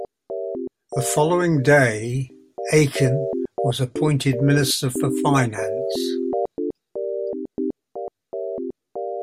The following day, Aiken was appointed Minister for Finance.